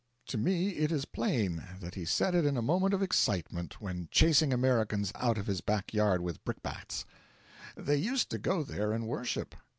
To me it is plain that he said it in a moment of excitement, when chasing Americans out of his back yard with brickbats. They used to go there and worship.